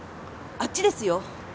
あっちですよ。